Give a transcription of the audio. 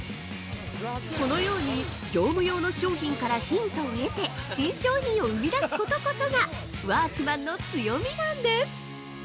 このように業務用の商品からヒントを得て新商品を生み出すことこそがワークマンの強みなんです！